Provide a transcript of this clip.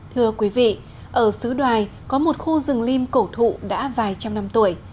thưa quý vị ở sứ đoài có một khu rừng lim cổ thụ đã vài trăm năm tuổi